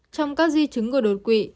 trong các di chứng của đột quỵ